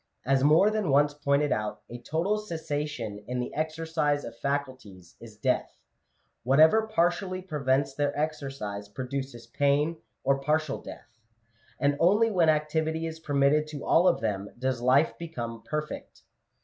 As more than once pointed out, a total cessation in the exercise of faculties is death ; whatever partially prevents their exercise, produces pain or partial death ; and only when activity is permitted to all of them, does life become perfect.